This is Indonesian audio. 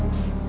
terima kasih bu